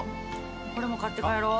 これも買って帰ろう。